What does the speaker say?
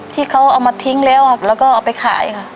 ที่เขาเอามาทิ้งแล้วแล้วก็เอาไปขายค่ะ